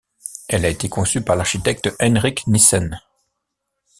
Elle a été conçue par l'architecte Henrik Nissen.